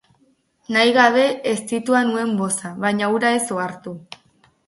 Nahi gabe eztitua nuen boza, baina hura ez ohartu.